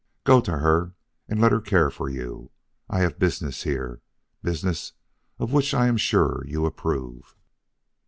Go to her and let her care for you. I have business here, business of which I am sure you approve."